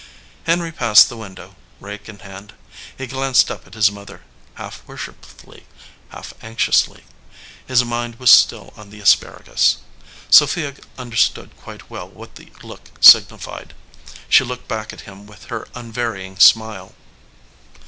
Henry passed the window, rake in hand. He glanced up at his mother, half worship fully, half anxiously. His mind was still on the asparagus. 238 THE SOLDIER MAN Sophia understood quite well what the look signi fied. She looked back at him with her unvarying smile.